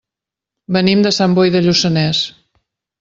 Venim de Sant Boi de Lluçanès.